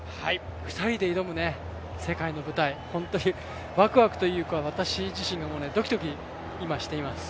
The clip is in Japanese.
２人で挑む世界の舞台、本当にワクワクというか私自身がドキドキ、今しています。